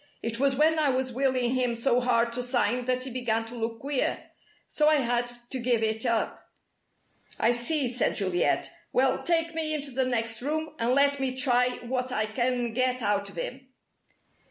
It was when I was willing him so hard to sign that he began to look queer. So I had to give it up." "I see," said Juliet. "Well, take me into the next room, and let me try what I can get out of him!"